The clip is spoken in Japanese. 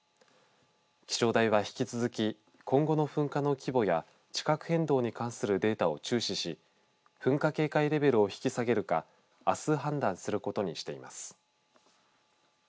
気象台は、引き続き今後の噴火の規模や地殻変動に関するデータを注視し噴火警戒レベルを引き下げるかあす判断することにしています。